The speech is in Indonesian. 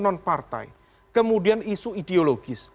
nonpartai kemudian isu ideologis